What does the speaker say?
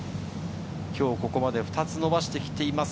ここまで２つ伸ばしてきています。